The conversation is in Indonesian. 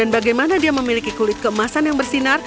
bagaimana dia memiliki kulit keemasan yang bersinar